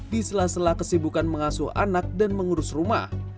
di sela sela kesibukan mengasuh anak dan mengurus rumah